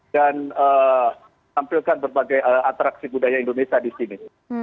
dan tampilkan berbagai atraksi budaya indonesia di sini